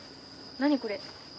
何これ。